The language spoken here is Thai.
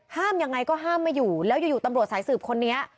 ยังไงก็ห้ามไม่อยู่แล้วอยู่ตำรวจสายสืบคนนี้